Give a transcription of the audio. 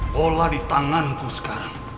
bola di tanganku sekarang